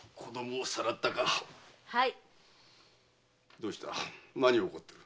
どうした何を怒っている？